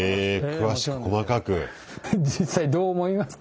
詳しく細かく。